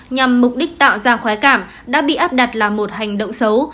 nhằm mục đích tạo ra khóa cảm đã bị áp đặt là một hành động xấu